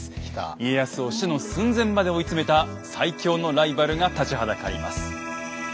家康を死の寸前まで追い詰めた最強のライバルが立ちはだかります。